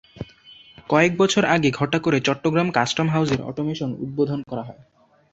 কয়েক বছর আগে ঘটা করে চট্টগ্রাম কাস্টম হাউসের অটোমেশন উদ্বোধন করা হয়।